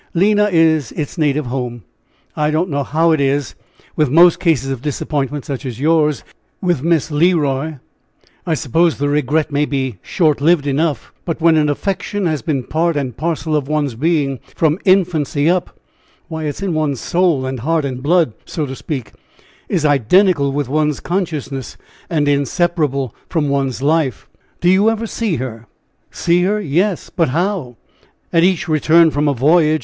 Lina is its native home. I don't know how it is. With most cases of disappointment, such as yours with Miss Le Roy, I suppose the regret may be short lived enough; but when an affection has been part and parcel of one's being from infancy up; why, it is in one's soul and heart and blood, so to speak is identical with one's consciousness, and inseparable from one's life." "Do you ever see her?" "See her! yes; but how? at each return from a voyage.